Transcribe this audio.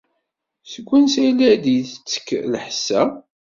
Seg wansi ay la d-yettekk lḥess-a?